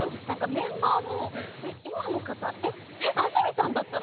メンバーも、今の方、えっ安住さんだったの？